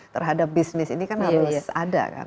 terhadap bisnis ini kan harus ada kan